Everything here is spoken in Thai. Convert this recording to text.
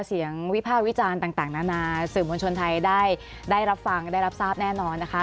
วิภาควิจารณ์ต่างนานาสื่อมวลชนไทยได้รับฟังได้รับทราบแน่นอนนะคะ